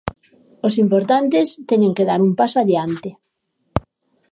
Os importantes teñen que dar un paso adiante.